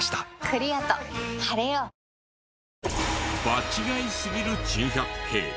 場違いすぎる珍百景。